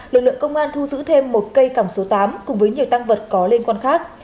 lực lượng công an thu giữ thêm một cây còng số tám cùng với nhiều tăng vật có liên quan khác